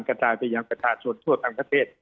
กระจายไปยังประชาชนทั่วทั้งประเทศ